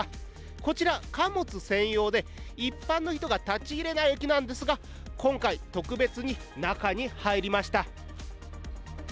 こちら、貨物専用で一般の人が立ち入れない駅なんですが、今回、特別に中に入りました。